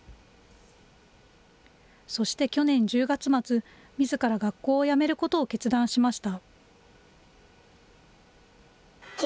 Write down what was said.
そして去年１０月末、みずから学校をやめることを決断しました。